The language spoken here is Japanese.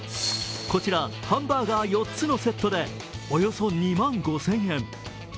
こちら、ハンバーガー４つのセットでおよそ２万５０００円。